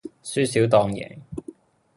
輸少當贏